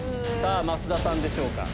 増田さんでしょうか？